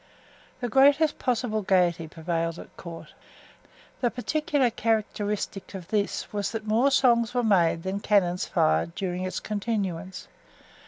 The greatest possible gayety prevailed at court. The particular characteristic of this was that more songs were made than cannons fired during its continuance.